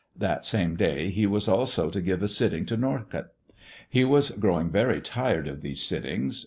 That same day he was also to give a sitting to Norcott. He was growing very tired of these sittings.